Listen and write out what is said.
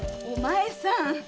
お前さん